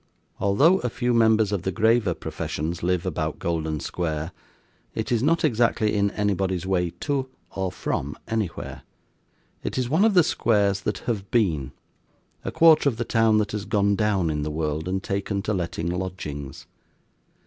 Although a few members of the graver professions live about Golden Square, it is not exactly in anybody's way to or from anywhere. It is one of the squares that have been; a quarter of the town that has gone down in the world, and taken to letting lodgings.